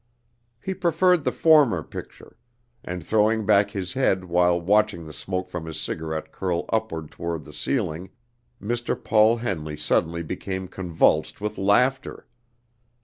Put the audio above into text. He preferred the former picture, and throwing back his head while watching the smoke from his cigarette curl upward toward the ceiling, Mr. Paul Henley suddenly became convulsed with laughter.